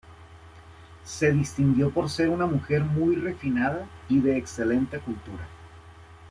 Se distinguió por ser una mujer muy refinada y de excelente cultura.